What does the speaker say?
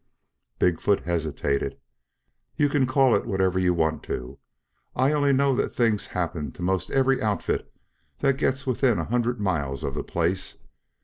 Big foot hesitated. "You can call it whatever you want to. I only know that things happen to most every outfit that gets within a hundred miles of the place.